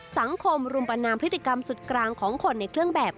สังคมรุมประนามพฤติกรรมสุดกลางของคนในเครื่องแบบ